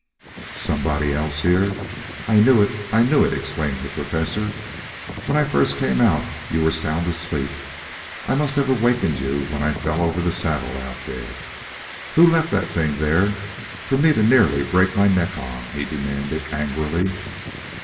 "Somebody else here? I knew it, I knew it," exclaimed the Professor. "When I first came out you were sound asleep. I must have awakened you when I fell over the saddle out there. Who left that thing there for me to nearly break my neck on?" he demanded angrily.